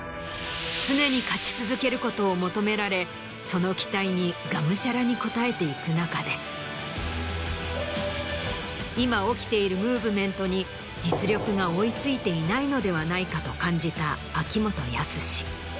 その期待にがむしゃらに応えていく中で今起きているムーブメントに実力が追い付いていないのではないか？と感じた秋元康。